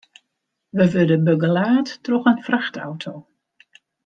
We wurde begelaat troch in frachtauto.